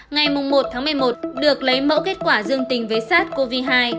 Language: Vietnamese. ngày một tháng một mươi một được lấy mẫu kết quả dương tình với sars cov hai